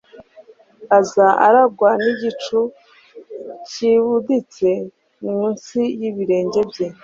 aza arangwa n'igicu kibuditse mu nsi y'ibirenge bye